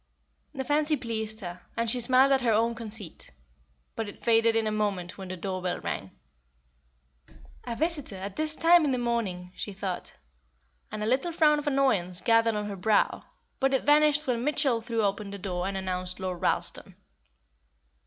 The fancy pleased her, and she smiled at her own conceit; but it faded in a moment when the door bell rang. "A visitor at this time in the morning!" she thought, and a little frown of annoyance gathered on her brow; but it vanished when Mitchell threw open the door and announced Lord Ralston.